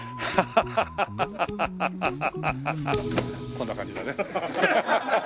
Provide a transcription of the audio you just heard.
こんな感じだね。